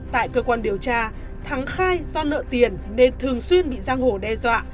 tại cơ quan điều tra thắng khai do nợ tiền nên thường xuyên bị giam hồ đe dọa